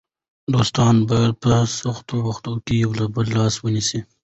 دوستان باید په سختو وختونو کې د یو بل لاس ونیسي.